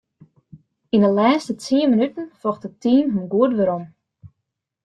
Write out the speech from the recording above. Yn 'e lêste tsien minuten focht it team him goed werom.